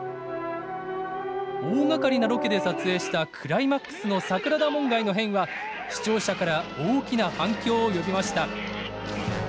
大がかりなロケで撮影したクライマックスの桜田門外の変は視聴者から大きな反響を呼びました。